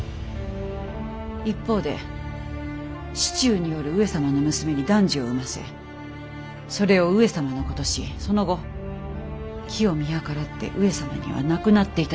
一方で市中におる上様の娘に男児を産ませそれを上様のお子としその後機を見計らって上様には亡くなって頂く。